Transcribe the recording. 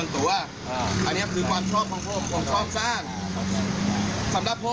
อย่าอย่าอย่า